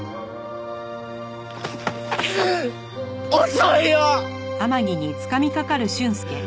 遅いよ！